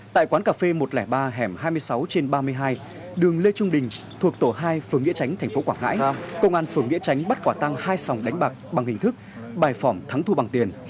tại quán cà phê một trăm linh ba hẻm hai mươi sáu trên ba mươi hai đường lê trung đình thuộc tổ hai phường nghĩa tránh thành phố quảng ngãi công an phường nghĩa tránh bắt quả tăng hai sòng đánh bạc bằng hình thức bài phỏng thắng thu bằng tiền